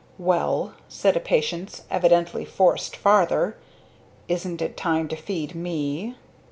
"Well," with a patience evidently forced farther, "isn't it time to feed me?"